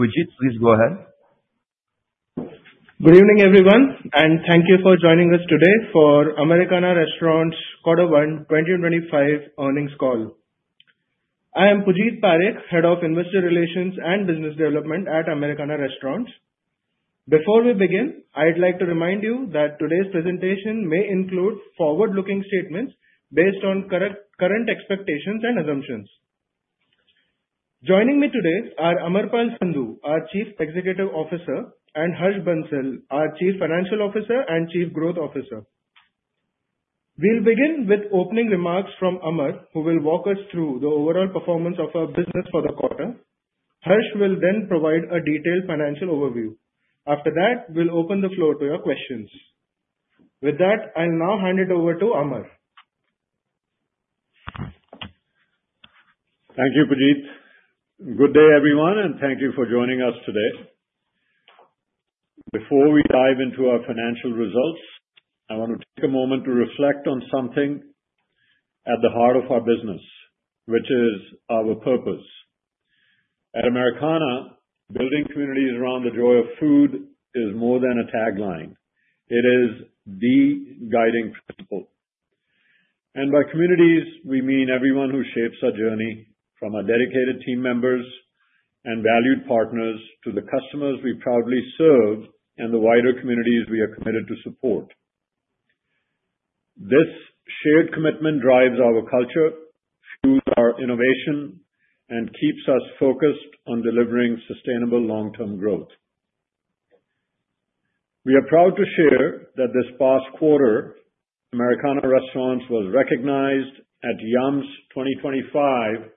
Pujeet, please go ahead. Good evening, everyone, and thank you for joining us today for Americana Restaurants' Quarter One 2025 earnings call. I am Pujeet Parekh, Head of Investor Relations and Business Development at Americana Restaurants. Before we begin, I'd like to remind you that today's presentation may include forward-looking statements based on current expectations and assumptions. Joining me today are Amarpal Sandhu, our Chief Executive Officer, and Harsh Bansal, our Chief Financial Officer and Chief Growth Officer. We'll begin with opening remarks from Amar, who will walk us through the overall performance of our business for the quarter. Harsh will then provide a detailed financial overview. After that, we'll open the floor to your questions. With that, I'll now hand it over to Amar. Thank you, Pujeet. Good day, everyone, and thank you for joining us today. Before we dive into our financial results, I want to take a moment to reflect on something at the heart of our business, which is our purpose. At Americana, building communities around the joy of food is more than a tagline. It is the guiding principle. By communities, we mean everyone who shapes our journey, from our dedicated team members and valued partners to the customers we proudly serve and the wider communities we are committed to support. This shared commitment drives our culture, fuels our innovation, and keeps us focused on delivering sustainable long-term growth. We are proud to share that this past quarter, Americana Restaurants was recognized at Yum! Brands' 2025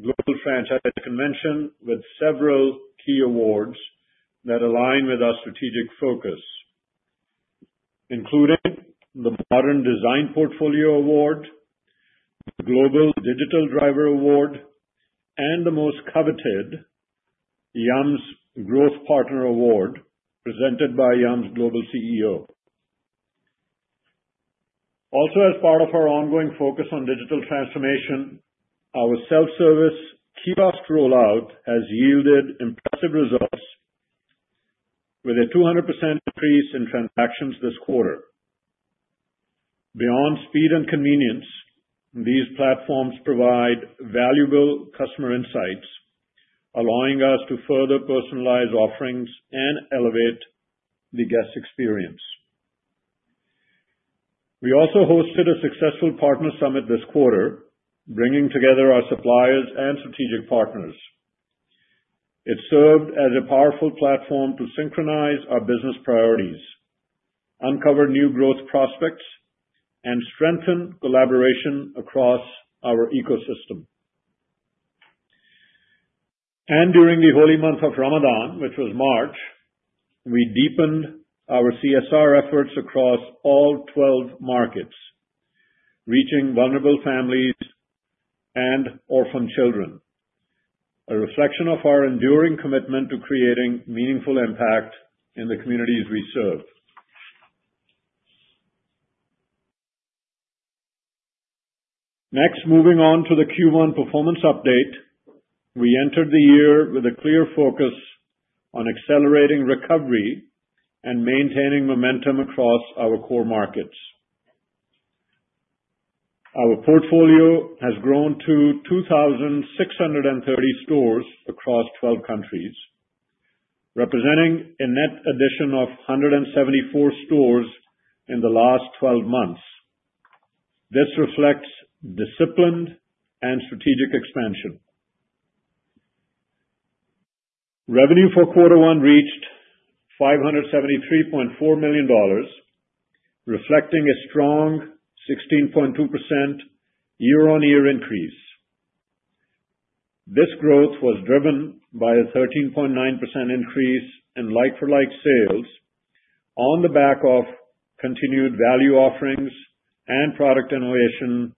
Global Franchise Convention with several key awards that align with our strategic focus, including the Modern Design Portfolio Award, the Global Digital Driver Award, and the most coveted Yum! Brands' Growth Partner Award, presented by Yum! Brands' Global CEO. Also, as part of our ongoing focus on digital transformation, our self-service kiosk rollout has yielded impressive results, with a 200% increase in transactions this quarter. Beyond speed and convenience, these platforms provide valuable customer insights, allowing us to further personalize offerings and elevate the guest experience. We also hosted a successful partner summit this quarter, bringing together our suppliers and strategic partners. It served as a powerful platform to synchronize our business priorities, uncover new growth prospects, and strengthen collaboration across our ecosystem. During the holy month of Ramadan, which was March, we deepened our CSR efforts across all 12 markets, reaching vulnerable families and orphaned children, a reflection of our enduring commitment to creating meaningful impact in the communities we serve. Next, moving on to the Q1 performance update, we entered the year with a clear focus on accelerating recovery and maintaining momentum across our core markets. Our portfolio has grown to 2,630 stores across 12 countries, representing a net addition of 174 stores in the last 12 months. This reflects disciplined and strategic expansion. Revenue for quarter one reached $573.4 million, reflecting a strong 16.2% year-on-year increase. This growth was driven by a 13.9% increase in like-for-like sales on the back of continued value offerings and product innovation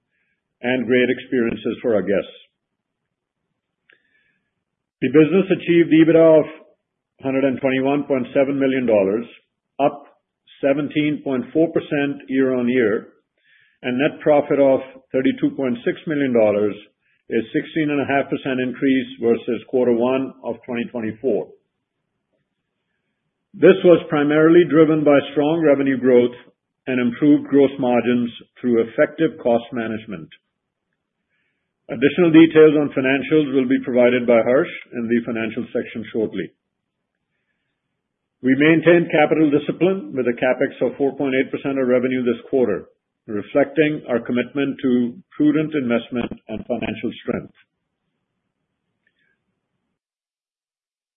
and great experiences for our guests. The business achieved EBITDA of $121.7 million, up 17.4% year-on-year, and net profit of $32.6 million, a 16.5% increase versus quarter one of 2024. This was primarily driven by strong revenue growth and improved gross margins through effective cost management. Additional details on financials will be provided by Harsh in the financial section shortly. We maintained capital discipline with a CapEx of 4.8% of revenue this quarter, reflecting our commitment to prudent investment and financial strength.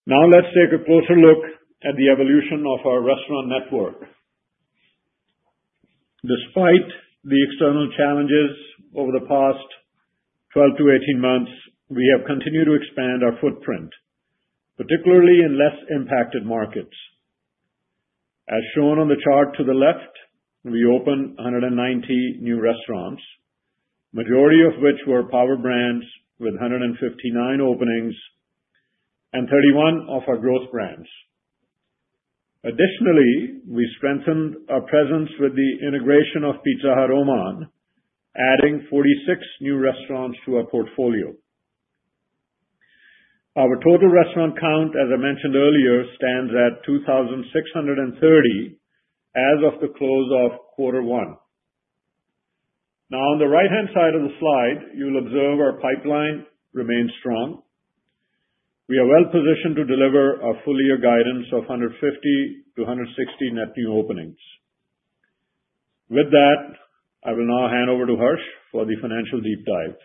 Now, let's take a closer look at the evolution of our restaurant network. Despite the external challenges over the past 12 to 18 months, we have continued to expand our footprint, particularly in less impacted markets. As shown on the chart to the left, we opened 190 new restaurants, the majority of which were power brands with 159 openings and 31 of our growth brands. Additionally, we strengthened our presence with the integration of Pizza Hut Oman, adding 46 new restaurants to our portfolio. Our total restaurant count, as I mentioned earlier, stands at 2,630 as of the close of quarter one. Now, on the right-hand side of the slide, you'll observe our pipeline remains strong. We are well positioned to deliver a full-year guidance of 150-160 net new openings. With that, I will now hand over to Harsh for the financial deep dive.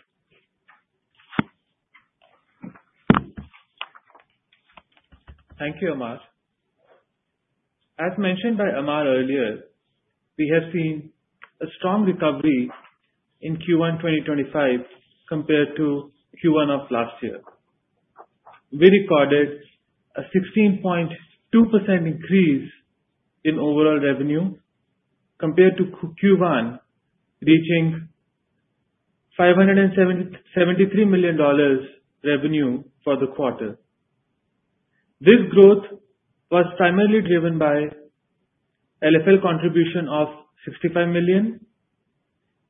Thank you, Amar. As mentioned by Amar earlier, we have seen a strong recovery in Q1 2025 compared to Q1 of last year. We recorded a 16.2% increase in overall revenue compared to Q1, reaching $573 million revenue for the quarter. This growth was primarily driven by LFL contribution of $65 million,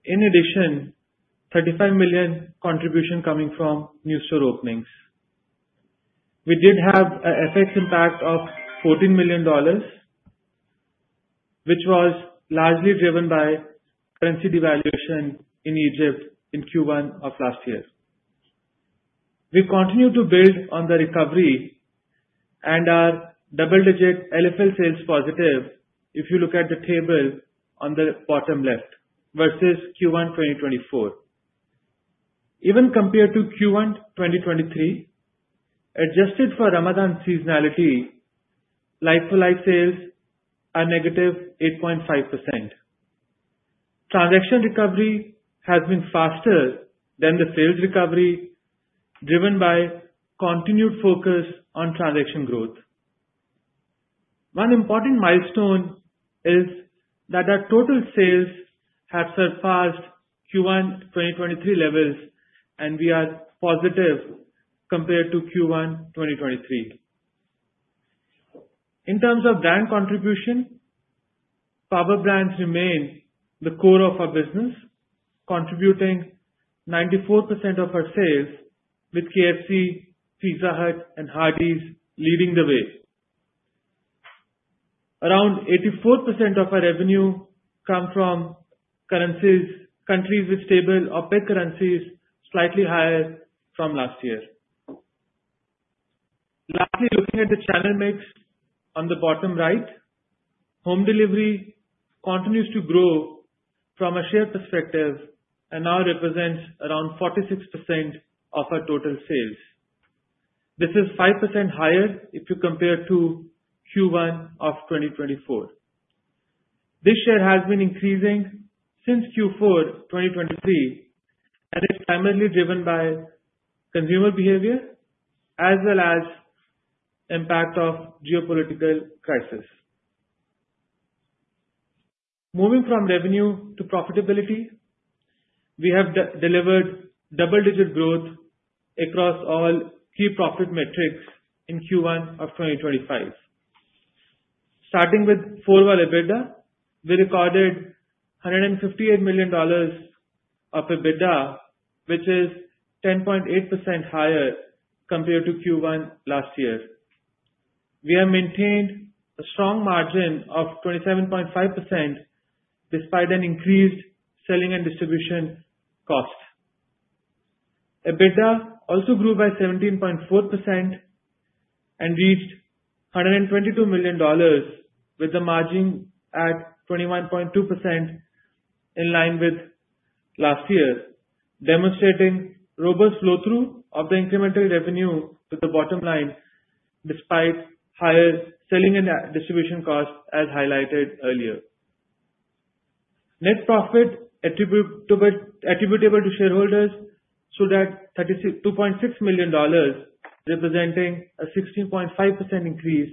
in addition to $35 million contribution coming from new store openings. We did have an FX impact of $14 million, which was largely driven by currency devaluation in Egypt in Q1 of last year. We continue to build on the recovery and are double-digit LFL sales positive if you look at the table on the bottom left versus Q1 2024. Even compared to Q1 2023, adjusted for Ramadan seasonality, like-for-like sales are -8.5%. Transaction recovery has been faster than the sales recovery, driven by continued focus on transaction growth. One important milestone is that our total sales have surpassed Q1 2023 levels, and we are positive compared to Q1 2023. In terms of brand contribution, power brands remain the core of our business, contributing 94% of our sales, with KFC, Pizza Hut, and Hardee's leading the way. Around 84% of our revenue comes from countries with stable OPEC currencies, slightly higher from last year. Lastly, looking at the channel mix on the bottom right, home delivery continues to grow from a share perspective and now represents around 46% of our total sales. This is 5% higher if you compare to Q1 of 2024. This share has been increasing since Q4 2023, and it's primarily driven by consumer behavior as well as the impact of the geopolitical crisis. Moving from revenue to profitability, we have delivered double-digit growth across all key profit metrics in Q1 of 2025. Starting with full-year EBITDA, we recorded $158 million of EBITDA, which is 10.8% higher compared to Q1 last year. We have maintained a strong margin of 27.5% despite an increased selling and distribution cost. EBITDA also grew by 17.4% and reached $122 million, with the margin at 21.2% in line with last year, demonstrating robust flow-through of the incremental revenue to the bottom line despite higher selling and distribution costs, as highlighted earlier. Net profit attributable to shareholders sold at $2.6 million, representing a 16.5% increase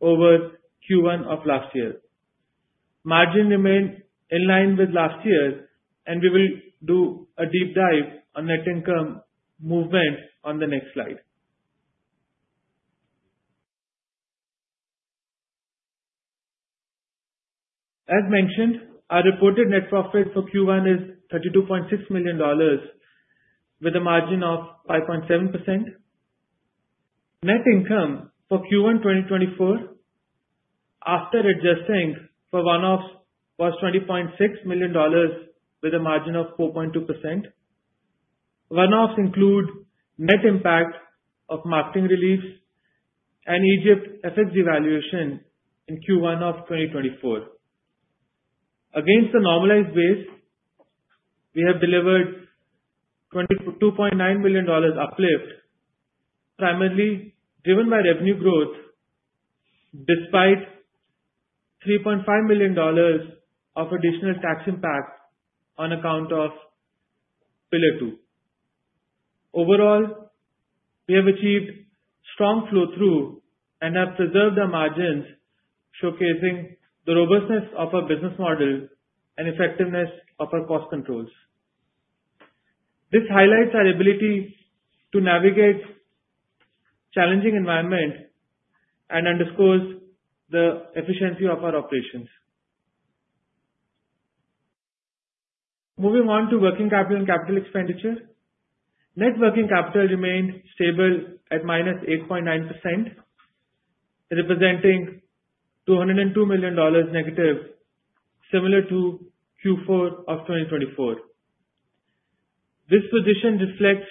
over Q1 of last year. Margin remained in line with last year, and we will do a deep dive on net income movement on the next slide. As mentioned, our reported net profit for Q1 is $32.6 million, with a margin of 5.7%. Net income for Q1 2024, after adjusting for one-offs, was $20.6 million, with a margin of 4.2%. One-offs include net impact of marketing reliefs and Egypt's FX devaluation in Q1 of 2024. Against the normalized base, we have delivered $22.9 million uplift, primarily driven by revenue growth despite $3.5 million of additional tax impact on account of Pillar 2. Overall, we have achieved strong flow-through and have preserved our margins, showcasing the robustness of our business model and effectiveness of our cost controls. This highlights our ability to navigate a challenging environment and underscores the efficiency of our operations. Moving on to working capital and capital expenditure, net working capital remained stable at -8.9%, representing -$202 million, similar to Q4 of 2024. This position reflects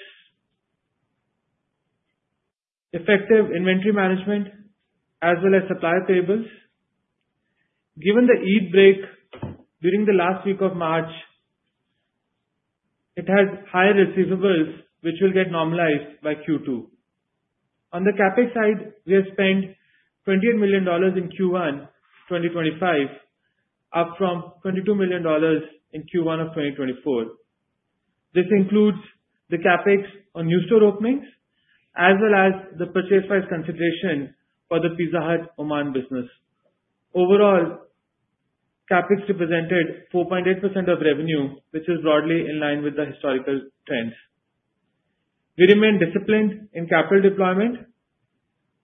effective inventory management as well as supply tables. Given the Eid break during the last week of March, it has higher receivables, which will get normalized by Q2. On the CapEx side, we have spent $28 million in Q1 2025, up from $22 million in Q1 of 2024. This includes the CapEx on new store openings as well as the purchase price consideration for the Pizza Hut Oman business. Overall, CapEx represented 4.8% of revenue, which is broadly in line with the historical trends. We remain disciplined in capital deployment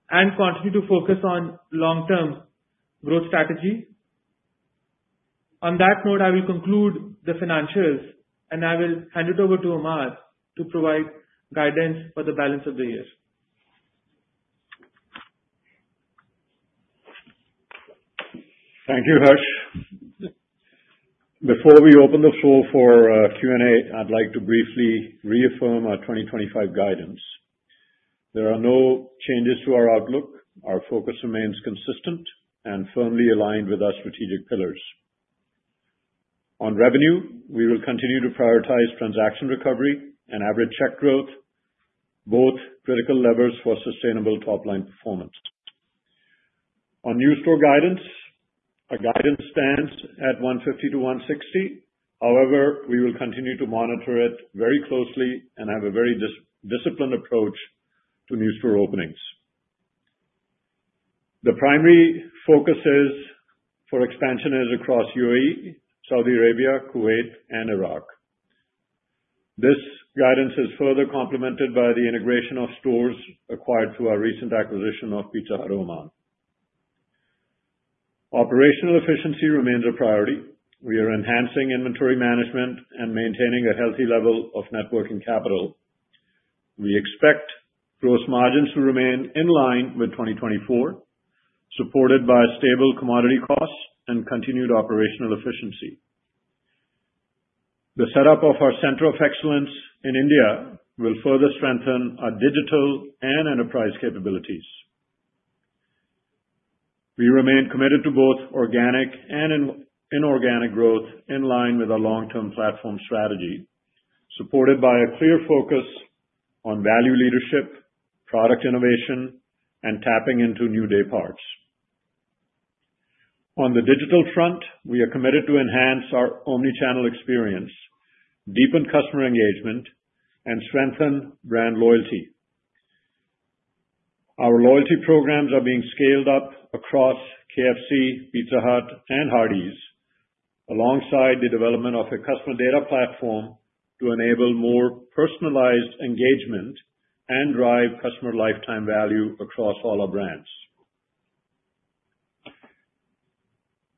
and continue to focus on long-term growth strategy. On that note, I will conclude the financials, and I will hand it over to Amar to provide guidance for the balance of the year. Thank you, Harsh. Before we open the floor for Q&A, I'd like to briefly reaffirm our 2025 guidance. There are no changes to our outlook. Our focus remains consistent and firmly aligned with our strategic pillars. On revenue, we will continue to prioritize transaction recovery and average check growth, both critical levers for sustainable top-line performance. On new store guidance, our guidance stands at 150-160. However, we will continue to monitor it very closely and have a very disciplined approach to new store openings. The primary focus for expansion is across UAE, Saudi Arabia, Kuwait, and Iraq. This guidance is further complemented by the integration of stores acquired through our recent acquisition of Pizza Hut Oman. Operational efficiency remains a priority. We are enhancing inventory management and maintaining a healthy level of networking capital. We expect gross margins to remain in line with 2024, supported by stable commodity costs and continued operational efficiency. The setup of our center of excellence in India will further strengthen our digital and enterprise capabilities. We remain committed to both organic and inorganic growth in line with our long-term platform strategy, supported by a clear focus on value leadership, product innovation, and tapping into new dayparts. On the digital front, we are committed to enhance our omnichannel experience, deepen customer engagement, and strengthen brand loyalty. Our loyalty programs are being scaled up across KFC, Pizza Hut, and Hardee's, alongside the development of a customer data platform to enable more personalized engagement and drive customer lifetime value across all our brands.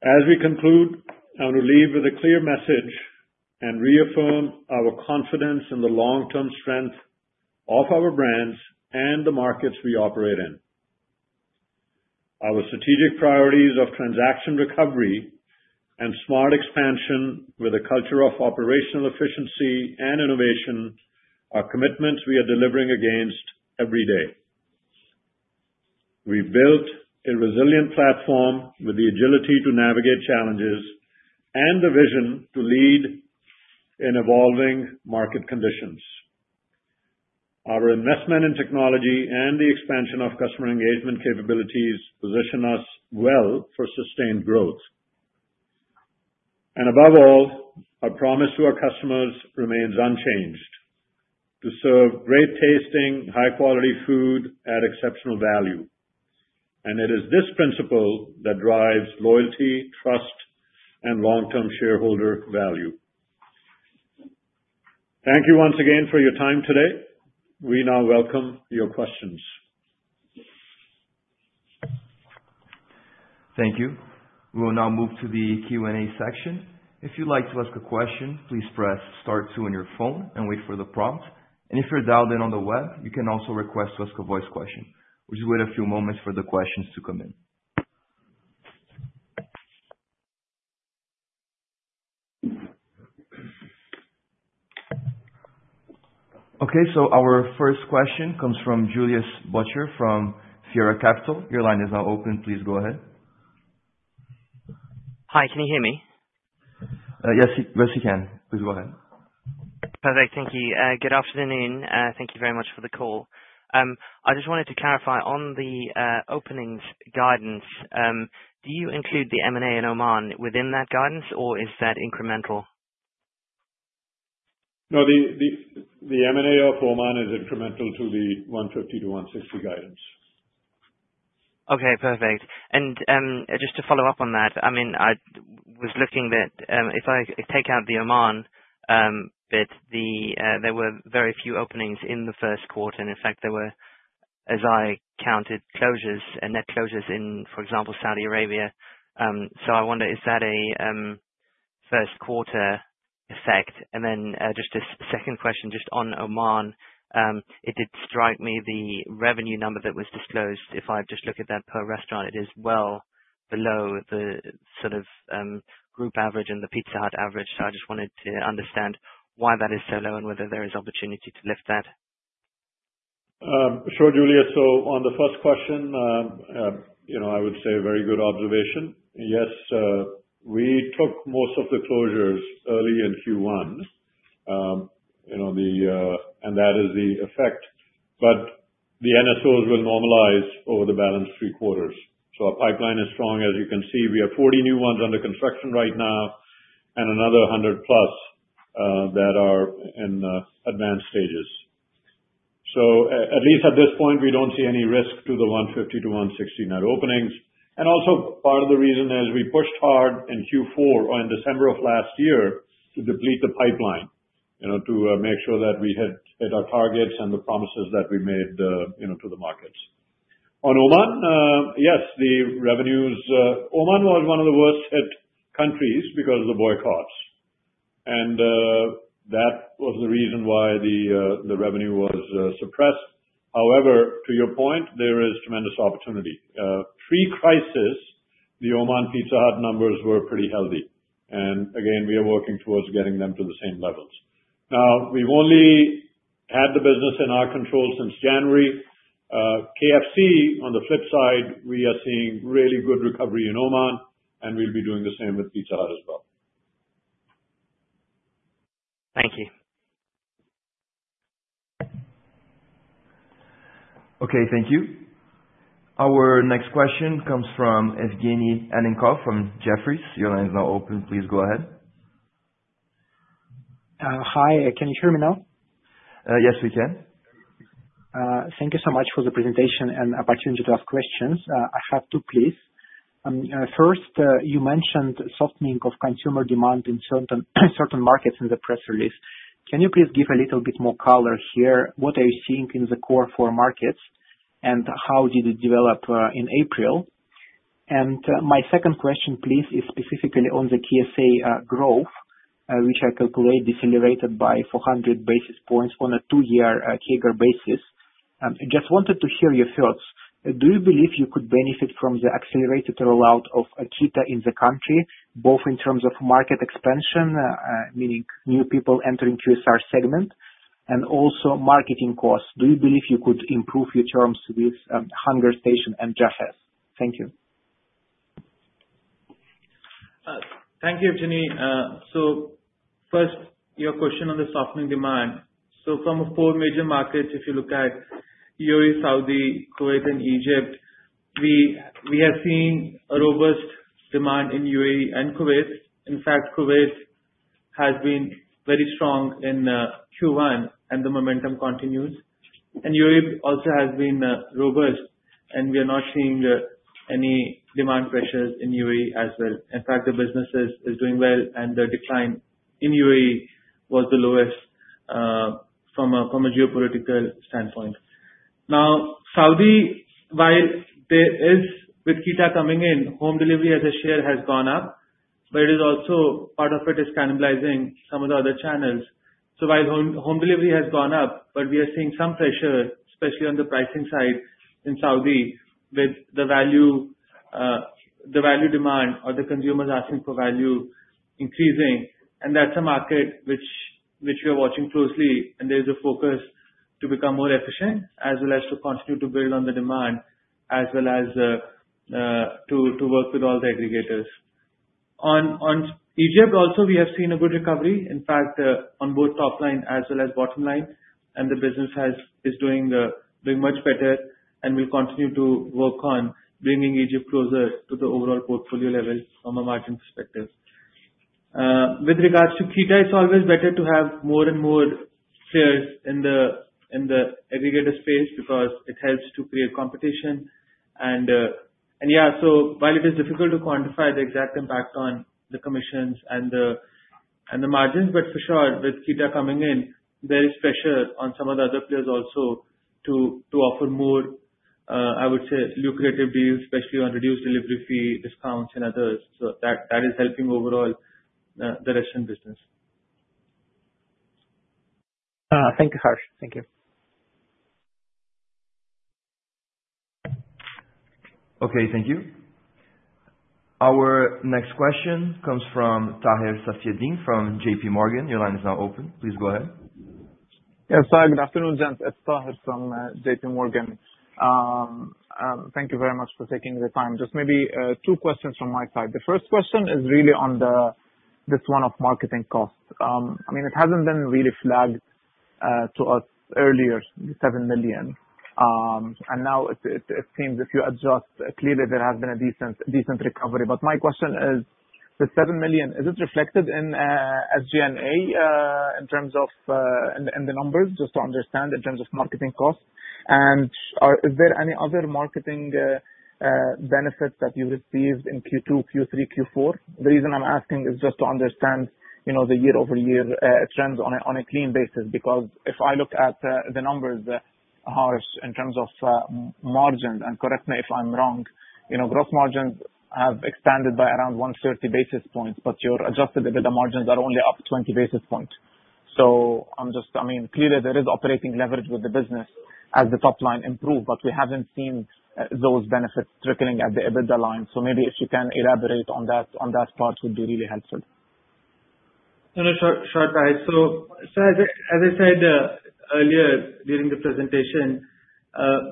As we conclude, I want to leave with a clear message and reaffirm our confidence in the long-term strength of our brands and the markets we operate in. Our strategic priorities of transaction recovery and smart expansion with a culture of operational efficiency and innovation are commitments we are delivering against every day. We have built a resilient platform with the agility to navigate challenges and the vision to lead in evolving market conditions. Our investment in technology and the expansion of customer engagement capabilities position us well for sustained growth. Above all, our promise to our customers remains unchanged to serve great tasting, high-quality food at exceptional value. It is this principle that drives loyalty, trust, and long-term shareholder value. Thank you once again for your time today. We now welcome your questions. Thank you. We will now move to the Q&A section. If you'd like to ask a question, please press star two on your phone and wait for the prompt. If you're dialed in on the web, you can also request to ask a voice question. We'll just wait a few moments for the questions to come in. Okay, our first question comes from Julius Böttcher from Fiera Capital. Your line is now open. Please go ahead. Hi, can you hear me? Yes, yes, you can. Please go ahead. Perfect, thank you. Good afternoon. Thank you very much for the call. I just wanted to clarify on the openings guidance. Do you include the M&A in Oman within that guidance, or is that incremental? No, the M&A of Oman is incremental to the 150-160 guidance. Okay, perfect. Just to follow up on that, I mean, I was looking that if I take out the Oman bit, there were very few openings in the first quarter. In fact, there were, as I counted, closures and net closures in, for example, Saudi Arabia. I wonder, is that a first-quarter effect? Just a second question, just on Oman, it did strike me the revenue number that was disclosed. If I just look at that per restaurant, it is well below the sort of group average and the Pizza Hut average. I just wanted to understand why that is so low and whether there is opportunity to lift that. Sure, Julius. On the first question, I would say a very good observation. Yes, we took most of the closures early in Q1, and that is the effect. The NSOs will normalize over the balance of three quarters. Our pipeline is strong, as you can see. We have 40 new ones under construction right now and another 100+ that are in advanced stages. At least at this point, we do not see any risk to the 150-160 net openings. Also, part of the reason is we pushed hard in Q4 or in December of last year to deplete the pipeline to make sure that we had hit our targets and the promises that we made to the markets. On Oman, yes, the revenues—Oman was one of the worst-hit countries because of the boycotts. That was the reason why the revenue was suppressed. However, to your point, there is tremendous opportunity. Pre-crisis, the Oman Pizza Hut numbers were pretty healthy. Again, we are working towards getting them to the same levels. Now, we have only had the business in our control since January. KFC, on the flip side, we are seeing really good recovery in Oman, and we will be doing the same with Pizza Hut as well. Thank you. Okay, thank you. Our next question comes from Evgenii Anennkov from Jefferies. Your line is now open. Please go ahead. Hi, can you hear me now? Yes, we can. Thank you so much for the presentation and opportunity to ask questions. I have two pleas. First, you mentioned softening of consumer demand in certain markets in the press release. Can you please give a little bit more color here? What are you seeing in the core four markets, and how did it develop in April? My second question, please, is specifically on the KSA growth, which I calculate decelerated by 400 basis points on a two-year CAGR basis. I just wanted to hear your thoughts. Do you believe you could benefit from the accelerated rollout of Keeta in the country, both in terms of market expansion, meaning new people entering QSR segment, and also marketing costs? Do you believe you could improve your terms with Hungerstation and Jahez? Thank you. Thank you, Evgenii. First, your question on the softening demand. From four major markets, if you look at UAE, Saudi, Kuwait, and Egypt, we have seen robust demand in UAE and Kuwait. In fact, Kuwait has been very strong in Q1, and the momentum continues. UAE also has been robust, and we are not seeing any demand pressures in UAE as well. In fact, the business is doing well, and the decline in UAE was the lowest from a geopolitical standpoint. Saudi, while there is with Keeta coming in, home delivery as a share has gone up, but it is also part of it is cannibalizing some of the other channels. While home delivery has gone up, we are seeing some pressure, especially on the pricing side in Saudi, with the value demand or the consumers asking for value increasing. That is a market which we are watching closely, and there is a focus to become more efficient as well as to continue to build on the demand as well as to work with all the aggregators. On Egypt also, we have seen a good recovery, in fact, on both top line as well as bottom line, and the business is doing much better and will continue to work on bringing Egypt closer to the overall portfolio level from a margin perspective. With regards to Keeta, it is always better to have more and more shares in the aggregator space because it helps to create competition. Yeah, so while it is difficult to quantify the exact impact on the commissions and the margins, but for sure, with Keeta coming in, there is pressure on some of the other players also to offer more, I would say, lucrative deals, especially on reduced delivery fee discounts and others. That is helping overall the Russian business. Thank you, Harsh. Thank you. Okay, thank you. Our next question comes from Taher Safieddine from JP Morgan. Your line is now open. Please go ahead. Yes sir, good afternoon. Gents, It's Tahir from JP Morgan. Thank you very much for taking the time. Just maybe two questions from my side. The first question is really on this one of marketing costs. I mean, it hasn't been really flagged to us earlier, $7 million. And now it seems if you adjust clearly, there has been a decent recovery. My question is, the $7 million, is it reflected in SG&A in terms of the numbers, just to understand, in terms of marketing costs? Is there any other marketing benefits that you received in Q2, Q3, Q4? The reason I'm asking is just to understand the year-over-year trends on a clean basis because if I look at the numbers, Harsh, in terms of margins, and correct me if I'm wrong, gross margins have expanded by around 130 basis points, but your adjusted EBITDA margins are only up 20 basis points. I mean, clearly, there is operating leverage with the business as the top line improves, but we haven't seen those benefits trickling at the EBITDA line. Maybe if you can elaborate on that part would be really helpful. No, no, sure, guys. As I said earlier during the presentation,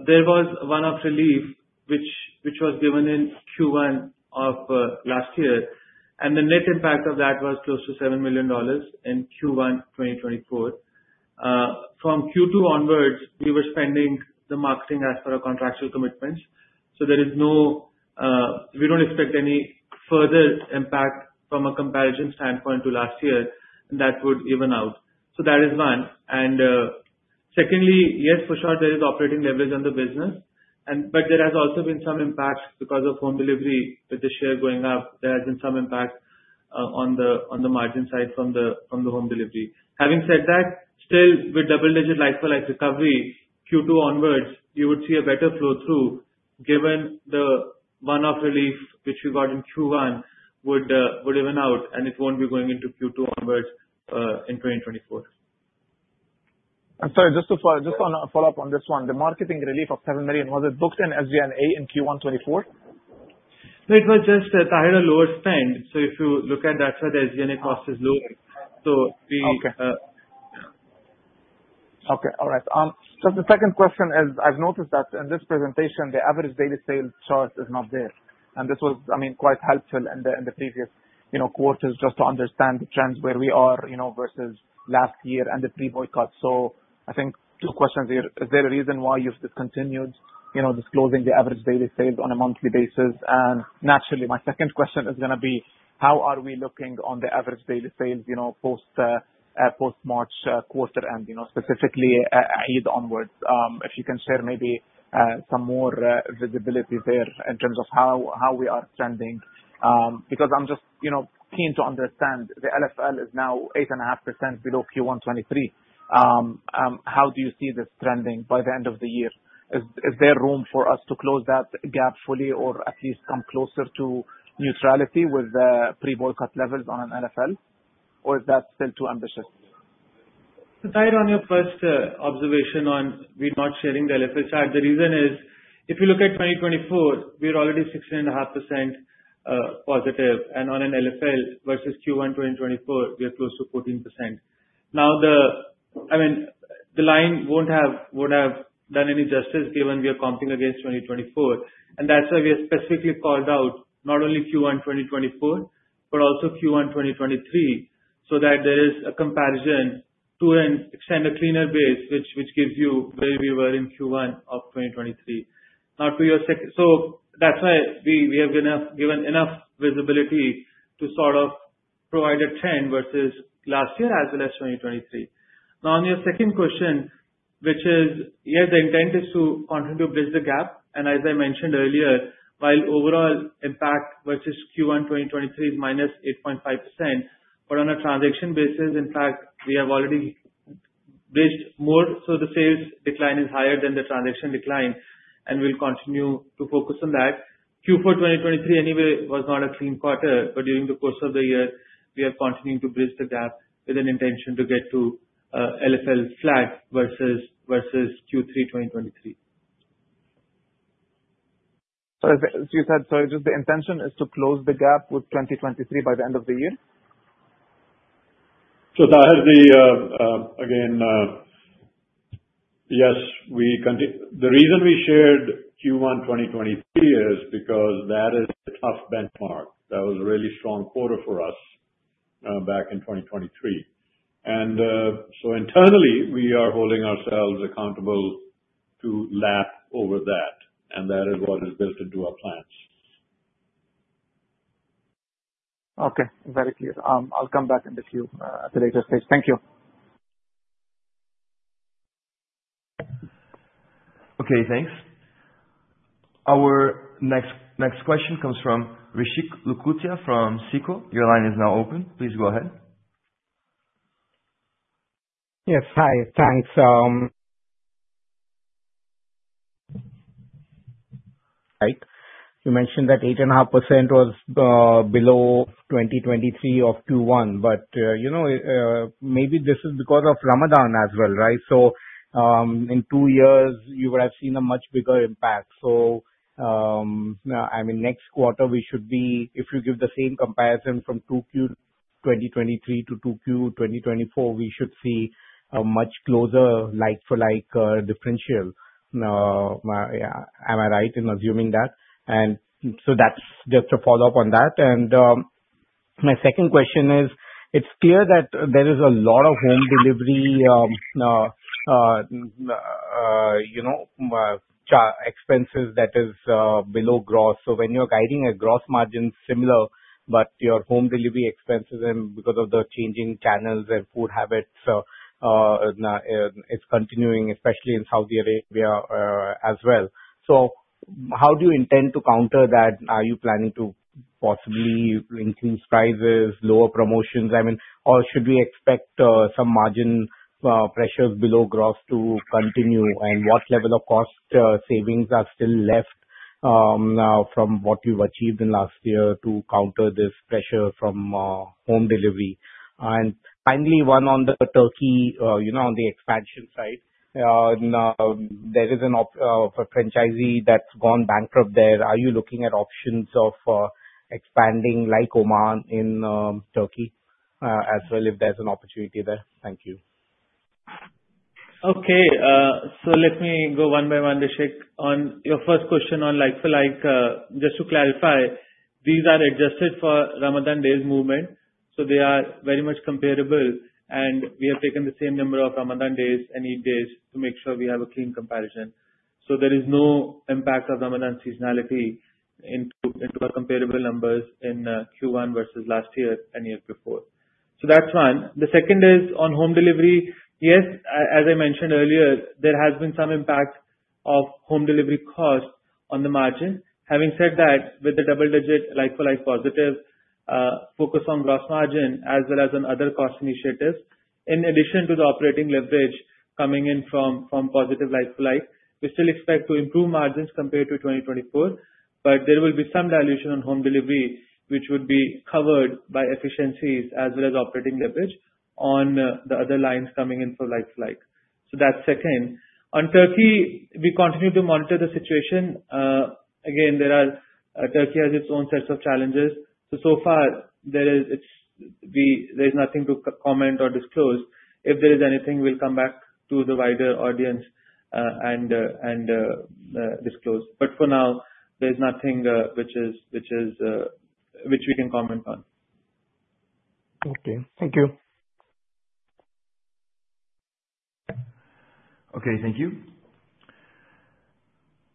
there was a one-off relief which was given in Q1 of last year. The net impact of that was close to $7 million in Q1 2024. From Q2 onwards, we were spending the marketing as per our contractual commitments. There is no—we do not expect any further impact from a comparison standpoint to last year, and that would even out. That is one. Secondly, yes, for sure, there is operating leverage on the business. There has also been some impact because of home delivery with the share going up. There has been some impact on the margin side from the home delivery. Having said that, still, with double-digit like-for-like recovery Q2 onwards, you would see a better flow-through given the one-off relief which we got in Q1 would even out, and it won't be going into Q2 onwards in 2024. I'm sorry, just to follow up on this one, the marketing relief of $7 million, was it booked in SG&A in Q1 2024? No, it was just a tighter, lower spend. If you look at that, the SG&A cost is lower. Okay. Okay, all right. Just the second question is, I've noticed that in this presentation, the average daily sales chart is not there. This was, I mean, quite helpful in the previous quarters just to understand the trends where we are versus last year and the pre-boycott. I think two questions here. Is there a reason why you've discontinued disclosing the average daily sales on a monthly basis? Naturally, my second question is going to be, how are we looking on the average daily sales post-March quarter end, specifically Eid onwards? If you can share maybe some more visibility there in terms of how we are trending. Because I'm just keen to understand, the LFL is now 8.5% below Q1 2023. How do you see this trending by the end of the year? Is there room for us to close that gap fully or at least come closer to neutrality with the pre-boycott levels on an LFL? Or is that still too ambitious? To tie it on your first observation on we're not sharing the LFL chart, the reason is if you look at 2024, we're already 16.5% positive. And on an LFL versus Q1 2024, we are close to 14%. Now, I mean, the line won't have done any justice given we are comping against 2024. That is why we have specifically called out not only Q1 2024, but also Q1 2023 so that there is a comparison to extend a cleaner base, which gives you where we were in Q1 of 2023. Now, to your second—so that is why we have given enough visibility to sort of provide a trend versus last year as well as 2023. Now, on your second question, which is, yes, the intent is to continue to bridge the gap. As I mentioned earlier, while overall impact versus Q1 2023 is - 8.5%, on a transaction basis, in fact, we have already bridged more. The sales decline is higher than the transaction decline, and we'll continue to focus on that. Q4 2023 anyway was not a clean quarter, but during the course of the year, we are continuing to bridge the gap with an intention to get to LFL flat versus Q3 2023. As you said, just the intention is to close the gap with 2023 by the end of the year? Taher, again, yes, the reason we shared Q1 2023 is because that is a tough benchmark. That was a really strong quarter for us back in 2023. Internally, we are holding ourselves accountable to lap over that. That is what is built into our plans. Okay, very clear. I'll come back in the queue at a later stage. Thank you. Okay, thanks. Our next question comes from Rishik Lukutia from Seaco. Your line is now open. Please go ahead. Yes, hi. Thanks. Right? You mentioned that 8.5% was below 2023 of Q1, but maybe this is because of Ramadan as well, right? In two years, you would have seen a much bigger impact. I mean, next quarter, we should be—if you give the same comparison from Q2 2023 to Q2 2024, we should see a much closer like-for-like differential. Am I right in assuming that? That is just a follow-up on that. My second question is, it is clear that there is a lot of home delivery expenses that is below gross. When you are guiding a gross margin similar, but your home delivery expenses, and because of the changing channels and food habits, it is continuing, especially in Saudi Arabia as well. How do you intend to counter that? Are you planning to possibly increase prices, lower promotions? I mean, should we expect some margin pressures below gross to continue? What level of cost savings are still left from what you've achieved in last year to counter this pressure from home delivery? Finally, one on Turkey, on the expansion side, there is a franchisee that's gone bankrupt there. Are you looking at options of expanding like Omar in Turkey as well if there's an opportunity there? Thank you. Okay. Let me go one by one, Rishik. On your first question on like-for-like, just to clarify, these are adjusted for Ramadan days movement. They are very much comparable. We have taken the same number of Ramadan days and Eid days to make sure we have a clean comparison. There is no impact of Ramadan seasonality into our comparable numbers in Q1 versus last year and year before. That is one. The second is on home delivery. Yes, as I mentioned earlier, there has been some impact of home delivery cost on the margin. Having said that, with the double-digit like-for-like positive, focus on gross margin as well as on other cost initiatives, in addition to the operating leverage coming in from positive like-for-like, we still expect to improve margins compared to 2024. There will be some dilution on home delivery, which would be covered by efficiencies as well as operating leverage on the other lines coming in for like-for-like. That is second. On Turkey, we continue to monitor the situation. Turkey has its own sets of challenges. So far, there is nothing to comment or disclose. If there is anything, we will come back to the wider audience and disclose. For now, there is nothing which we can comment on. Okay. Thank you. Okay, thank you.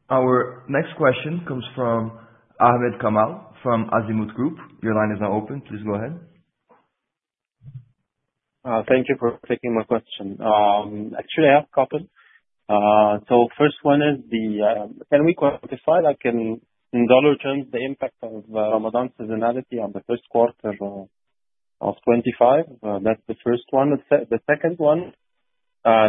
Our next question comes from Ahmed Kamal from Azimut Group. Your line is now open. Please go ahead. Thank you for taking my question. Actually, I have a couple. The first one is, can we quantify in dollar terms the impact of Ramadan seasonality on the first quarter of 2025? That's the first one. The second one,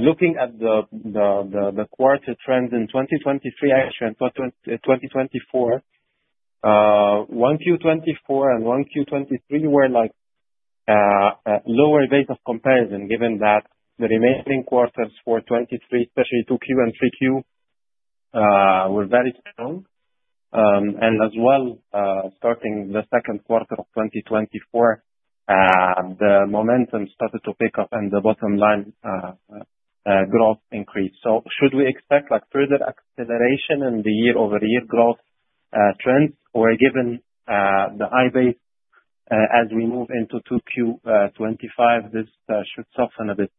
looking at the quarter trends in 2023, actually, and 2024, 1Q 2024 and 1Q 2023 were lower days of comparison given that the remaining quarters for 2023, especially 2Q and 3Q, were very strong. As well, starting the second quarter of 2024, the momentum started to pick up and the bottom line growth increased. Should we expect further acceleration in the year-over-year growth trends? Or given the high base as we move into 2Q 2025, this should soften a bit?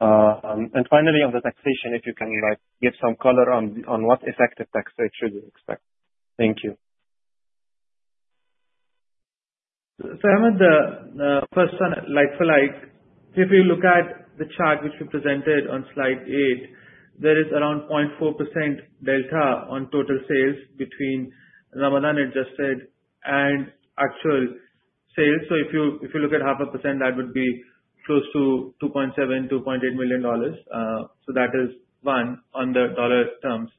Finally, on the taxation, if you can give some color on what effective tax rate should we expect. Thank you. Ahmed, the first one, like-for-like, if you look at the chart which we presented on slide 8, there is around 0.4% delta on total sales between Ramadan adjusted and actual sales. If you look at half a percent, that would be close to $2.7 million-$2.8 million. That is one on the dollar terms.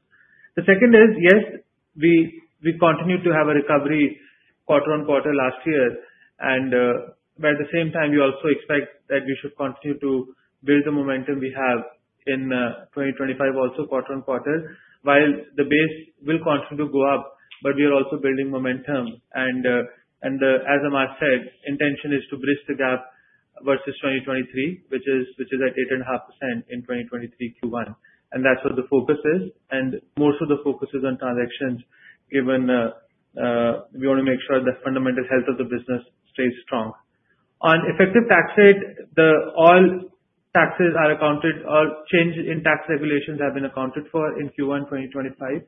The second is, yes, we continue to have a recovery quarter on quarter last year. By the same time, we also expect that we should continue to build the momentum we have in 2025 also quarter-on-quarter, while the base will continue to go up, but we are also building momentum. As Ammar said, intention is to bridge the gap versus 2023, which is at 8.5% in 2023 Q1. That is what the focus is. Most of the focus is on transactions given we want to make sure the fundamental health of the business stays strong. On effective tax rate, all taxes are accounted; all change in tax regulations have been accounted for in Q1 2025.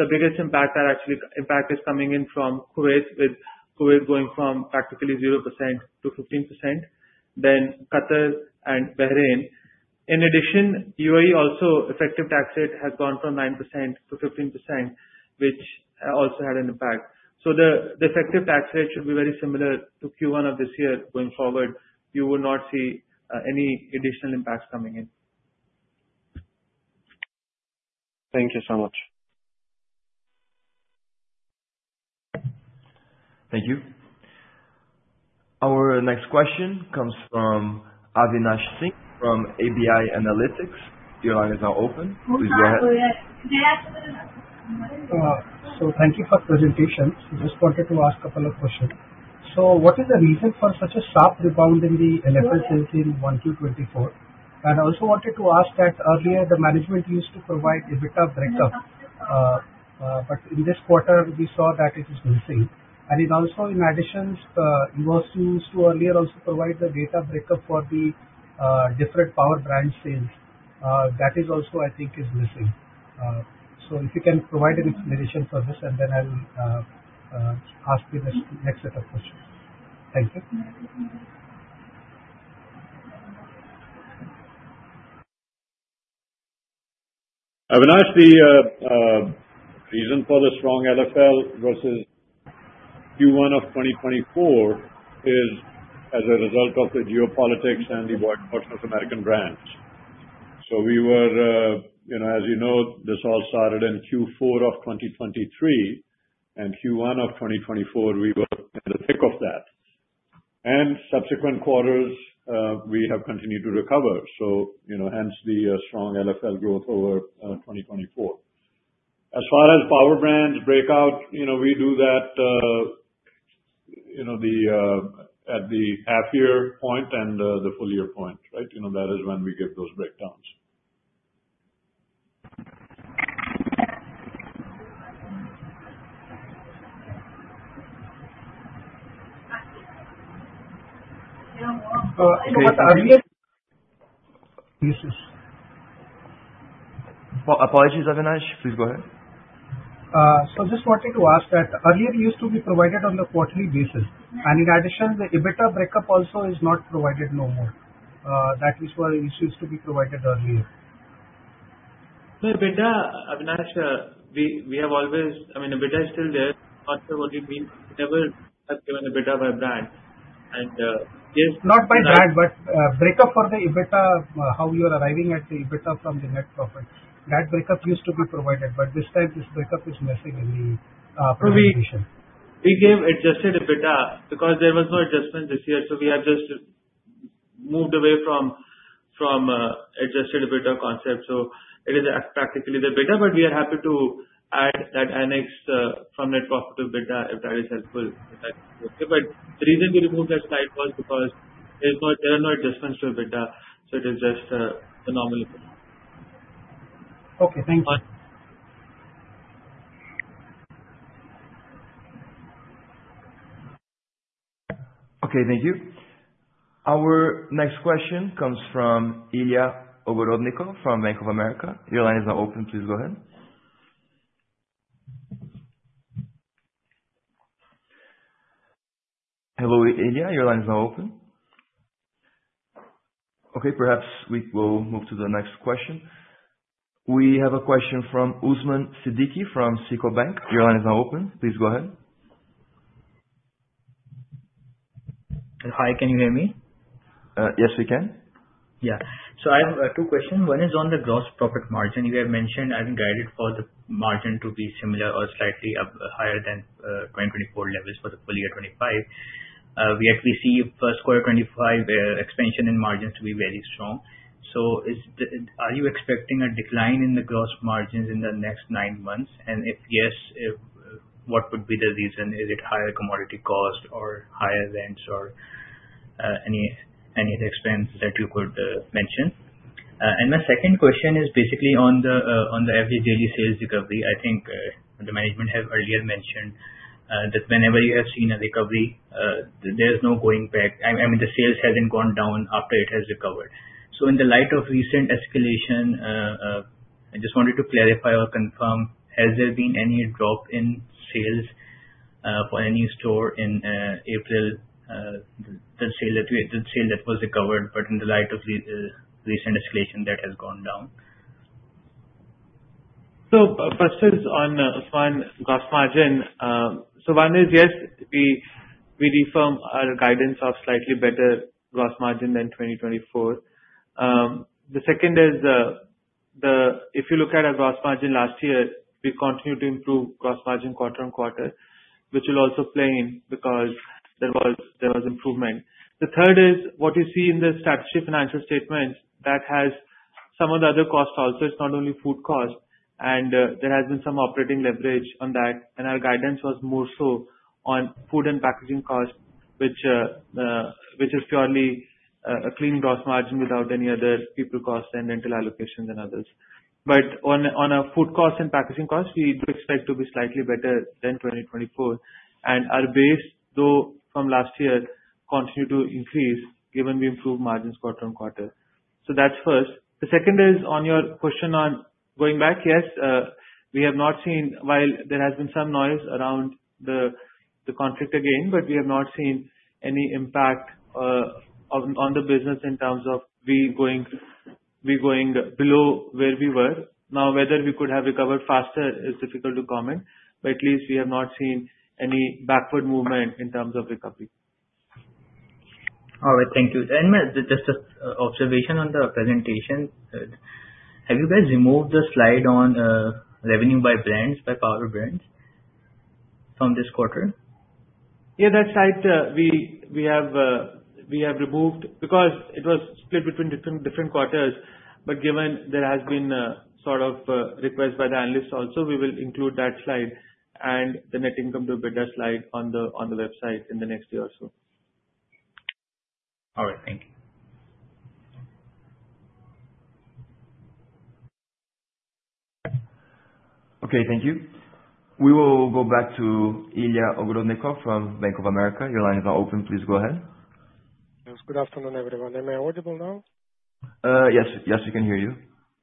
The biggest impact is coming in from Kuwait, with Kuwait going from practically 0% to 15%, then Qatar and Bahrain. In addition, UAE also effective tax rate has gone from 9% to 15%, which also had an impact. The effective tax rate should be very similar to Q1 of this year going forward. You will not see any additional impacts coming in. Thank you so much. Thank you. Our next question comes from Avinash Singh from ABI Analytics. Your line is now open. Please go ahead. Thank you for the presentation. I just wanted to ask a couple of questions. What is the reason for such a sharp rebound in the LFL sales in 1Q 2024? I also wanted to ask that earlier, the management used to provide a bit of breakup. In this quarter, we saw that it is missing. In addition, you used to earlier also provide the data breakup for the different power brand sales. That is also, I think, missing. If you can provide an explanation for this, then I'll ask you the next set of questions. Thank you. Avinash, the reason for the strong LFL versus Q1 of 2024 is as a result of the geopolitics and the Board of Americana Brands. As you know, this all started in Q4 of 2023. In Q1 of 2024, we were in the thick of that. In subsequent quarters, we have continued to recover. Hence the strong LFL growth over 2024. As far as power brands break out, we do that at the half-year point and the full-year point, right? That is when we give those breakdowns. Apologies, Avinash. Please go ahead. I just wanted to ask that earlier it used to be provided on a quarterly basis. In addition, the EBITDA breakup also is not provided no more. That is why it used to be provided earlier. EBITDA, Avinash, we have always—I mean, EBITDA is still there. Not only means we never have given EBITDA by brand. Yes. Not by brand, but breakup for the EBITDA, how you are arriving at the EBITDA from the net profit. That breakup used to be provided. This time, this breakup is missing in the presentation. We gave adjusted EBITDA because there was no adjustment this year. We have just moved away from the adjusted EBITDA concept. It is practically the EBITDA, but we are happy to add that annex from net profit to EBITDA if that is helpful. The reason we removed that slide was because there are no adjustments to EBITDA. It is just the normal EBITDA. Okay. Thank you. Okay, thank you. Our next question comes from Ilya Ogorodnikov from Bank of America. Your line is now open. Please go ahead. Hello, Ilya. Your line is now open. Okay. Perhaps we will move to the next question. We have a question from Usman Siddiqui from Citibank. Your line is now open. Please go ahead. Hi. Can you hear me? Yes, we can. Yeah. I have two questions. One is on the gross profit margin. You have mentioned having guided for the margin to be similar or slightly higher than 2024 levels for the full year 2025. We see first quarter 2025 expansion in margins to be very strong. Are you expecting a decline in the gross margins in the next nine months? If yes, what would be the reason? Is it higher commodity cost or higher rents or any other expense that you could mention? My second question is basically on the average daily sales recovery. I think the management have earlier mentioned that whenever you have seen a recovery, there is no going back. I mean, the sales haven't gone down after it has recovered. In the light of recent escalation, I just wanted to clarify or confirm, has there been any drop in sales for any store in April, the sale that was recovered, but in the light of recent escalation that has gone down? First is on gross margin. One is, yes, we reaffirm our guidance of slightly better gross margin than 2024. The second is, if you look at our gross margin last year, we continue to improve gross margin quarter-on-quarter, which will also play in because there was improvement. The third is what you see in the statutory financial statements that has some of the other costs also. It's not only food cost. There has been some operating leverage on that. Our guidance was more so on food and packaging cost, which is purely a clean gross margin without any other people cost and rental allocations and others. On food cost and packaging cost, we do expect to be slightly better than 2024. Our base, though from last year, continued to increase given we improved margins quarter-on-quarter. That's first. The second is on your question on going back. Yes, we have not seen, while there has been some noise around the conflict again, but we have not seen any impact on the business in terms of we going below where we were. Now, whether we could have recovered faster is difficult to comment. At least we have not seen any backward movement in terms of recovery. All right. Thank you. Just an observation on the presentation. Have you guys removed the slide on revenue by brands, by power brands from this quarter? Yeah, that slide we have removed because it was split between different quarters. Given there has been sort of requests by the analysts also, we will include that slide and the net income to EBITDA slide on the website in the next year or so. All right. Thank you. Okay. Thank you. We will go back to Ilya Ogorodnikov from Bank of America. Your line is now open. Please go ahead. Yes. Good afternoon, everyone. Am I audible now? Yes. Yes, we can hear you.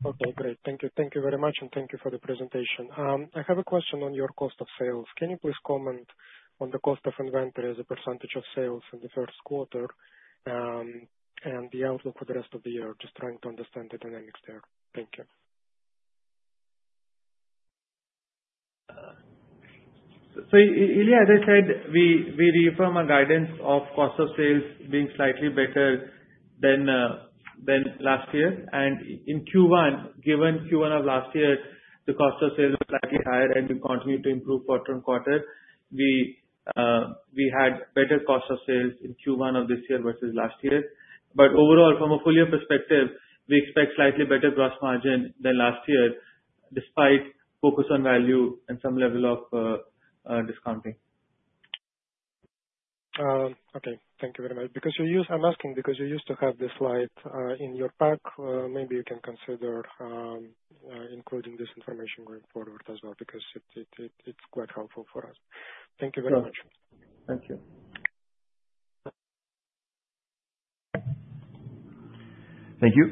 Okay. Great. Thank you. Thank you very much. Thank you for the presentation. I have a question on your cost of sales. Can you please comment on the cost of inventory as a percentage of sales in the first quarter and the outlook for the rest of the year? Just trying to understand the dynamics there. Thank you. Ilya, as I said, we reaffirm our guidance of cost of sales being slightly better than last year. In Q1, given Q1 of last year, the cost of sales was slightly higher, and we continue to improve quarter on quarter. We had better cost of sales in Q1 of this year versus last year. Overall, from a full year perspective, we expect slightly better gross margin than last year, despite focus on value and some level of discounting. Okay. Thank you very much. I'm asking because you used to have this slide in your pack. Maybe you can consider including this information going forward as well because it's quite helpful for us. Thank you very much. Thank you. Thank you.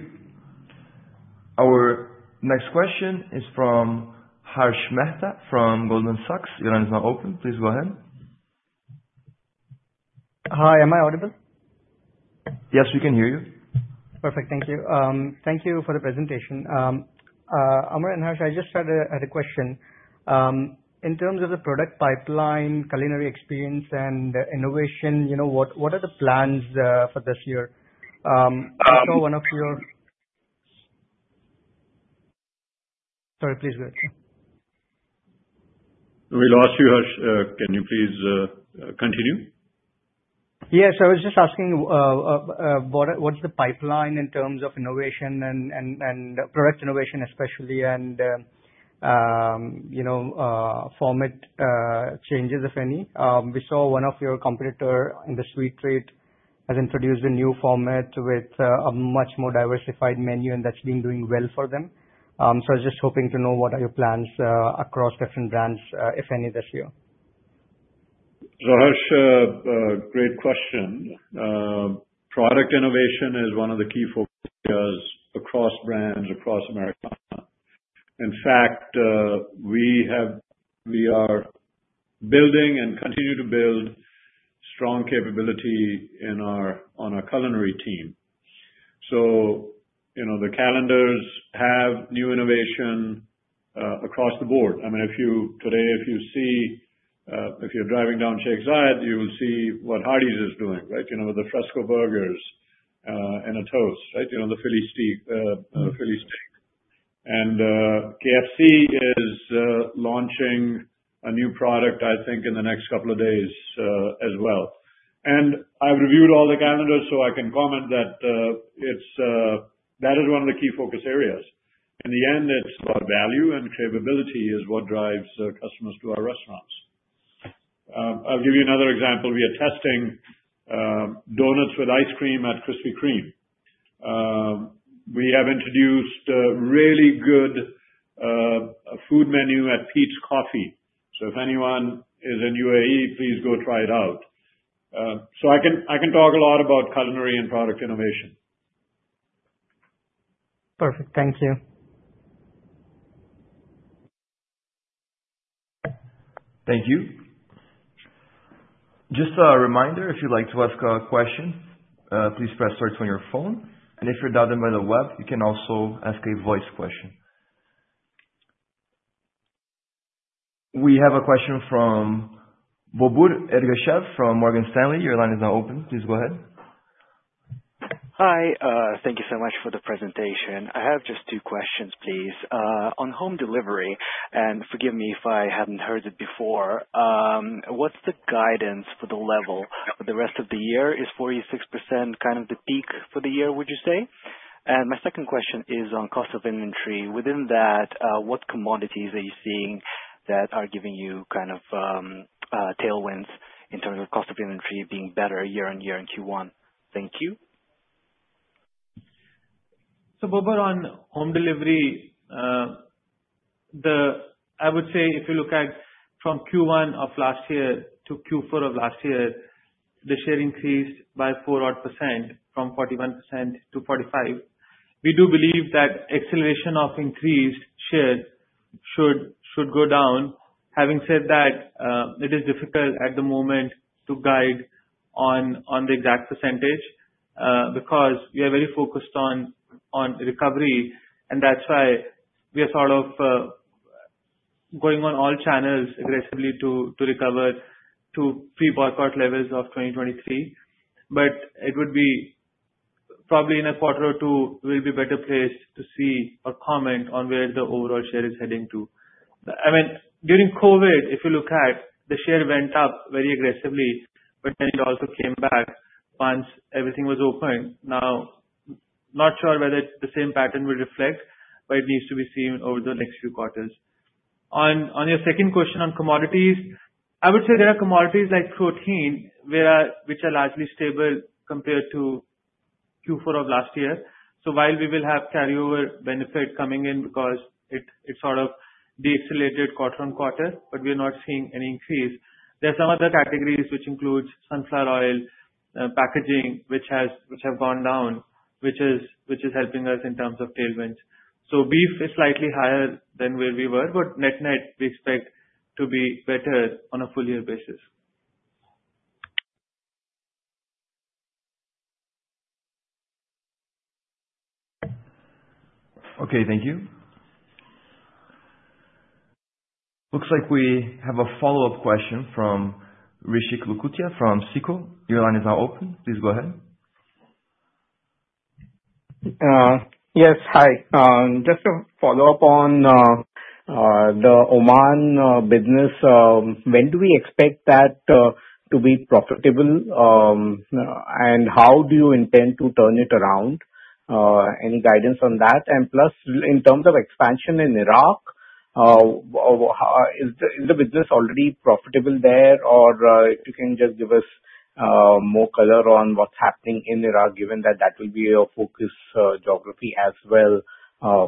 Our next question is from Harsh Mehta from Goldman Sachs. Your line is now open. Please go ahead. Hi. Am I audible? Yes, we can hear you. Perfect. Thank you. Thank you for the presentation. Amar and Harsh, I just had a question. In terms of the product pipeline, culinary experience, and innovation, what are the plans for this year? I saw one of your—sorry, please go ahead. We lost you, Harsh. Can you please continue? Yes. I was just asking what's the pipeline in terms of innovation and product innovation especially and format changes, if any. We saw one of your competitors in the sweet treat has introduced a new format with a much more diversified menu, and that's been doing well for them. I was just hoping to know what are your plans across different brands, if any, this year. Harsh, great question. Product innovation is one of the key focus areas across brands, across Americana. In fact, we are building and continue to build strong capability on our culinary team. The calendars have new innovation across the board. I mean, today, if you see—if you're driving down Sheikh Zayed, you will see what Hardee's is doing, right, with the Fresco burgers and a toast, right, the Philly steak. KFC is launching a new product, I think, in the next couple of days as well. I have reviewed all the calendars, so I can comment that that is one of the key focus areas. In the end, it's about value, and capability is what drives customers to our restaurants. I'll give you another example. We are testing donuts with ice cream at Krispy Kreme. We have introduced a really good food menu at Peet's Coffee. If anyone is in UAE, please go try it out. I can talk a lot about culinary and product innovation. Perfect. Thank you. Thank you. Just a reminder, if you'd like to ask a question, please press star on your phone. If you're dialed in by the web, you can also ask a voice question. We have a question from Bobur Ergashev from Morgan Stanley. Your line is now open. Please go ahead. Hi. Thank you so much for the presentation. I have just two questions, please. On home delivery—and forgive me if I had not heard it before—what is the guidance for the level for the rest of the year? Is 46% kind of the peak for the year, would you say? My second question is on cost of inventory. Within that, what commodities are you seeing that are giving you kind of tailwinds in terms of cost of inventory being better year on year in Q1? Thank you. Bobur, on home delivery, I would say if you look at from Q1 of last year to Q4 of last year, the share increased by 4% from 41% to 45%. We do believe that acceleration of increased share should go down. Having said that, it is difficult at the moment to guide on the exact percentage because we are very focused on recovery. That is why we are sort of going on all channels aggressively to recover to pre-board card levels of 2023. It would be probably in a quarter or two, we'll be better placed to see or comment on where the overall share is heading to. I mean, during COVID, if you look at, the share went up very aggressively, but then it also came back once everything was open. Now, not sure whether the same pattern will reflect, but it needs to be seen over the next few quarters. On your second question on commodities, I would say there are commodities like protein, which are largely stable compared to Q4 of last year. While we will have carryover benefit coming in because it sort of de-escalated quarter-on-quarter, we are not seeing any increase. There are some other categories which include sunflower oil, packaging, which have gone down, which is helping us in terms of tailwinds. Beef is slightly higher than where we were, but net net, we expect to be better on a full-year basis. Okay. Thank you. Looks like we have a follow-up question from Rishik Lukutia from Seacorp. Your line is now open. Please go ahead. Yes. Hi. Just to follow up on the Oman business, when do we expect that to be profitable? How do you intend to turn it around? Any guidance on that? Plus, in terms of expansion in Iraq, is the business already profitable there, or if you can just give us more color on what's happening in Iraq, given that that will be your focus geography as well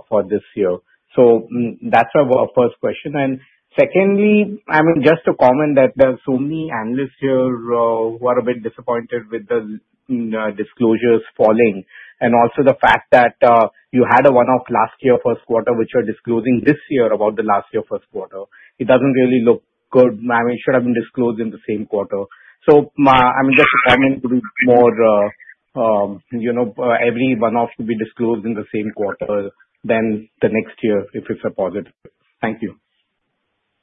for this year? That's our first question. Secondly, I mean, just to comment that there are so many analysts here who are a bit disappointed with the disclosures falling. Also the fact that you had a one-off last year first quarter, which you're disclosing this year about the last year first quarter. It doesn't really look good. I mean, it should have been disclosed in the same quarter. I mean, just to comment, to be more, every one-off to be disclosed in the same quarter than the next year if it's a positive. Thank you.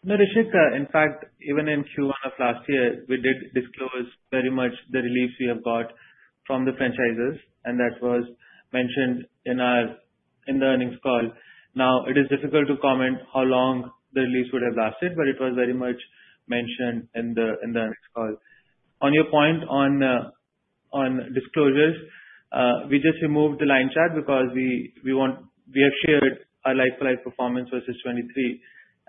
No, Rishik. In fact, even in Q1 of last year, we did disclose very much the release we have got from the franchises. That was mentioned in the earnings call. Now, it is difficult to comment how long the release would have lasted, but it was very much mentioned in the earnings call. On your point on disclosures, we just removed the line chart because we have shared our like-for-like performance versus 2023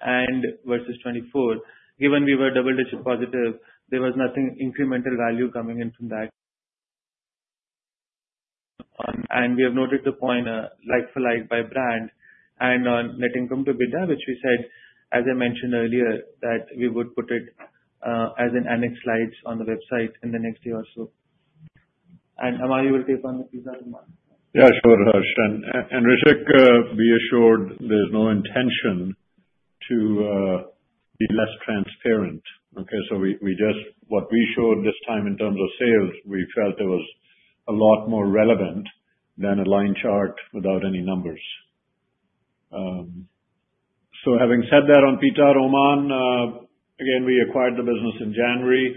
and versus 2024. Given we were double-digit positive, there was nothing incremental value coming in from that. We have noted the point like-for-like by brand and net income to EBITDA, which we said, as I mentioned earlier, that we would put it as annex slides on the website in the next year or so. Amar, you will take on the piece at the moment. Yeah, sure, Harsh. And Rishik, we assured there's no intention to be less transparent. Okay? What we showed this time in terms of sales, we felt it was a lot more relevant than a line chart without any numbers. Having said that on PTR Oman, again, we acquired the business in January.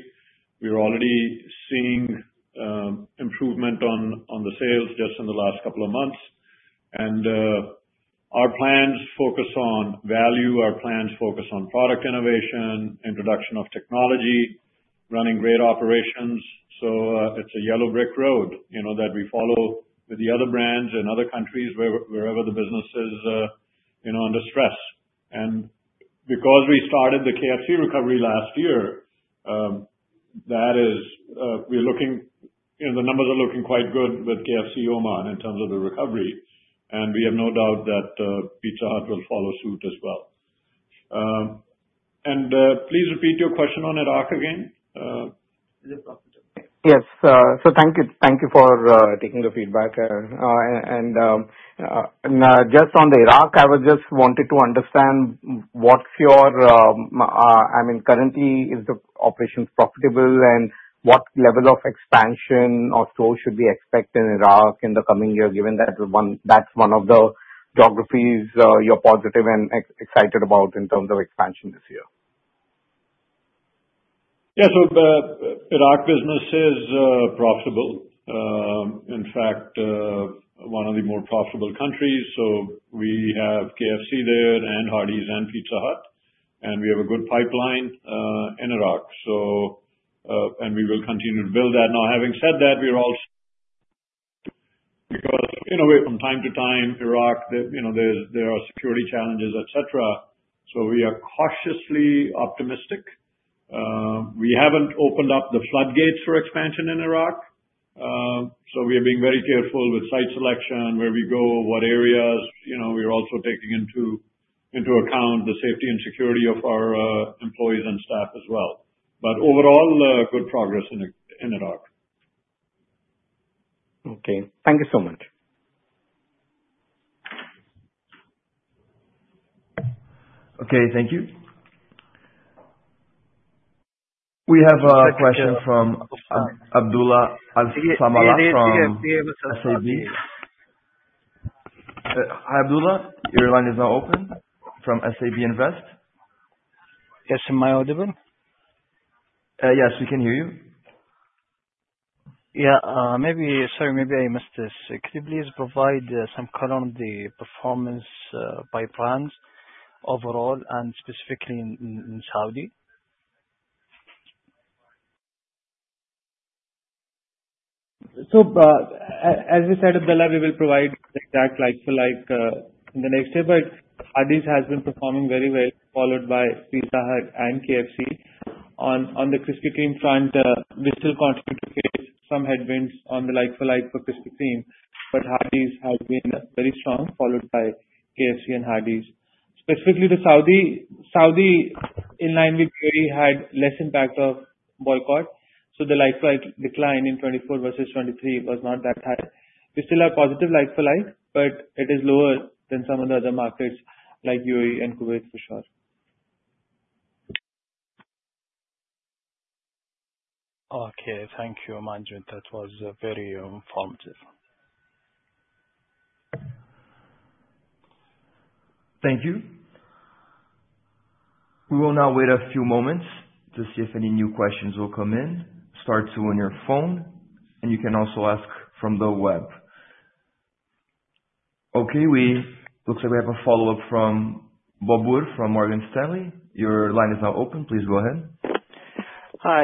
We were already seeing improvement on the sales just in the last couple of months. Our plans focus on value. Our plans focus on product innovation, introduction of technology, running great operations. It's a yellow brick road that we follow with the other brands in other countries, wherever the business is under stress. Because we started the KFC recovery last year, the numbers are looking quite good with KFC Oman in terms of the recovery. We have no doubt that Pizza Hut will follow suit as well. Please repeat your question on Iraq again. Is it profitable? Yes. Thank you for taking the feedback. Just on Iraq, I just wanted to understand what's your—I mean, currently, is the operation profitable? What level of expansion or growth should we expect in Iraq in the coming year, given that that's one of the geographies you're positive and excited about in terms of expansion this year? Yeah. The Iraq business is profitable. In fact, one of the more profitable countries. We have KFC there and Hardee's and Pizza Hut. We have a good pipeline in Iraq. We will continue to build that. Now, having said that, we are also, because from time to time, Iraq, there are security challenges, etc. We are cautiously optimistic. We haven't opened up the floodgates for expansion in Iraq. We are being very careful with site selection, where we go, what areas. We are also taking into account the safety and security of our employees and staff as well. Overall, good progress in Iraq. Okay. Thank you so much. Okay. Thank you. We have a question from Abdullah Al-Samalah from SAB. Abdullah, your line is now open from SAB Invest. Yes. Am I audible? Yes. We can hear you. Yeah. Sorry, maybe I missed this. Could you please provide some color on the performance by brands overall and specifically in Saudi? As we said, Abdullah, we will provide the exact like-for-like in the next year. Hardee's has been performing very well, followed by Pizza Hut and KFC. On the Krispy Kreme front, we still continue to face some headwinds on the like-for-like for Krispy Kreme. Hardee's has been very strong, followed by KFC and Hardee's. Specifically, the Saudi in line with UAE had less impact of boycott. The like-for-like decline in 2024 versus 2023 was not that high. We still have positive like-for-like, but it is lower than some of the other markets like UAE and Kuwait for sure. Okay. Thank you, Amarpal. That was very informative. Thank you. We will now wait a few moments to see if any new questions will come in. Start to on your phone. You can also ask from the web. Okay. Looks like we have a follow-up from Bobur from Morgan Stanley. Your line is now open. Please go ahead.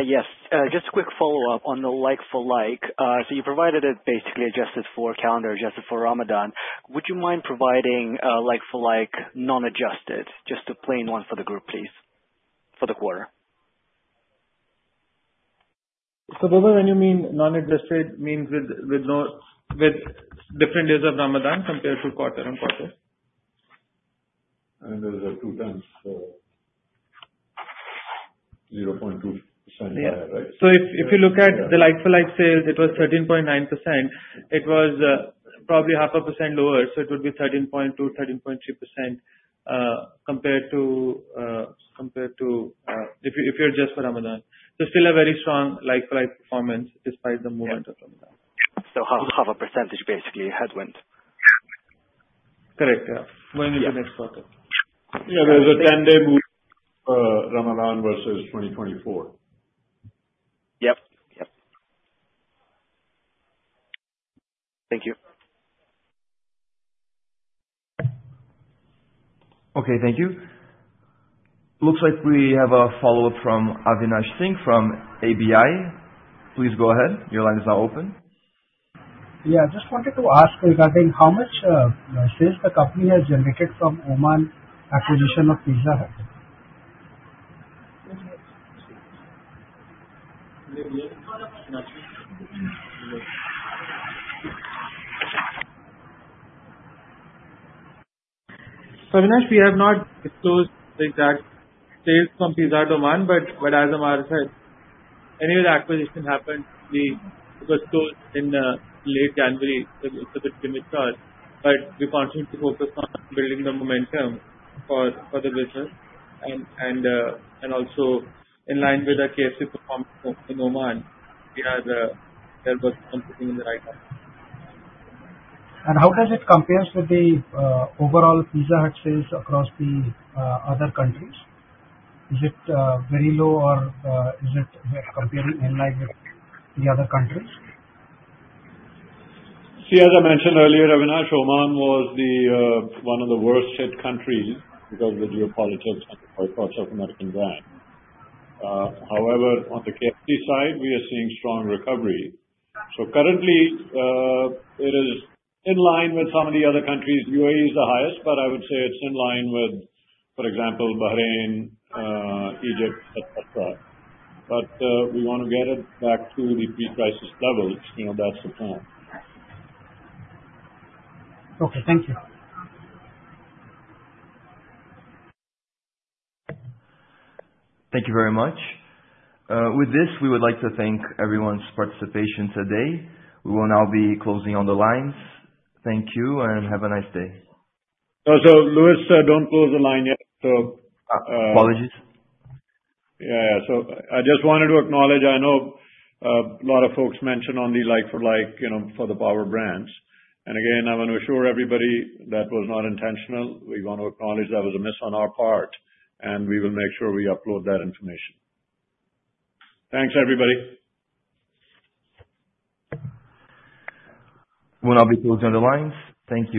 Yes. Just a quick follow-up on the like-for-like. You provided it basically adjusted for calendar, adjusted for Ramadan. Would you mind providing like-for-like non-adjusted, just a plain one for the group, please, for the quarter? Bobur, when you mean non-adjusted, means with different days of Ramadan compared to quarter on quarter? Those are two times 0.2% higher, right? Yeah. If you look at the like-for-like sales, it was 13.9%. It was probably half a percent lower, so it would be 13.2-13.3% compared to if you adjust for Ramadan. Still a very strong like-for-like performance despite the movement of Ramadan. Half a percentage basically headwind. Correct. Yeah. Going into next quarter. Yeah. There's a 10-day move for Ramadan versus 2024. Yep. Yep. Thank you. Okay. Thank you. Looks like we have a follow-up from Avinash Singh from ABI. Please go ahead. Your line is now open. Yeah. I just wanted to ask regarding how much sales the company has generated from Oman acquisition of Pizza Hut. Avinash, we have not disclosed the exact sales from Pizza Hut Oman, but as Ammar said, anyway, the acquisition happened. It was closed in late January. It is a bit limited. We continue to focus on building the momentum for the business. Also, in line with the KFC performance in Oman, we are working on putting in the right time. How does it compare to the overall Pizza Hut sales across the other countries? Is it very low, or is it comparing in line with the other countries? See, as I mentioned earlier, Oman was one of the worst-hit countries because of the geopolitics and the boycotts of Americana brands. However, on the KFC side, we are seeing strong recovery. Currently, it is in line with some of the other countries. UAE is the highest, but I would say it is in line with, for example, Bahrain, Egypt, etc. We want to get it back to the pre-crisis levels. That is the plan. Okay. Thank you. Thank you very much. With this, we would like to thank everyone's participation today. We will now be closing on the lines. Thank you and have a nice day. Luis, don't close the line yet. Apologies. Yeah. I just wanted to acknowledge I know a lot of folks mentioned on the like-for-like for the power brands. Again, I want to assure everybody that was not intentional. We want to acknowledge that was a miss on our part. We will make sure we upload that information. Thanks, everybody. We'll now be closing on the lines. Thank you.